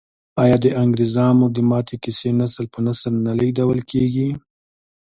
آیا د انګریزامو د ماتې کیسې نسل په نسل نه لیږدول کیږي؟